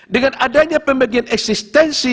dengan adanya pembagian eksistensi